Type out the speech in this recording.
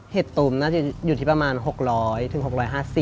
ตูมน่าจะอยู่ที่ประมาณ๖๐๐๖๕๐บาท